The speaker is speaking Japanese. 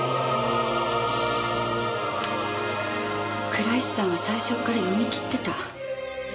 倉石さんは最初っから読み切ってた。